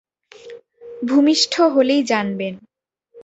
ভূমিষ্ঠ হলেই জানবেন।